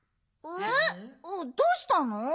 えっどうしたの？